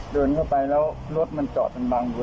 เดินเข้าไปแล้วรถมันจอดมันบังอยู่